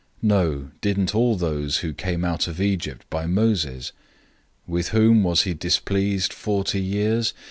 No, didn't all those who came out of Egypt by Moses? 003:017 With whom was he displeased forty years?